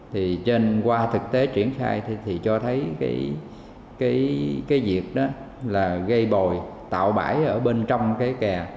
thì trên qua thực tế triển khai thì cho thấy cái việc đó là gây bồi tạo bãi ở bên trong cái kè